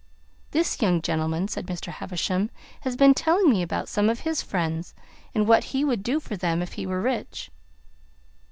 "This young gentleman," said Mr. Havisham, "has been telling me about some of his friends, and what he would do for them if he were rich."